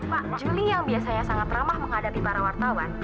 pak juli yang biasanya sangat ramah menghadapi para wartawan